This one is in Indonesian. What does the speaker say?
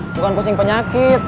bukan pusing penyakit